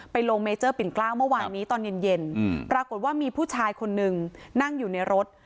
ลงเมเจอร์ปิ่นกล้าวเมื่อวานนี้ตอนเย็นปรากฏว่ามีผู้ชายคนนึงนั่งอยู่ในรถ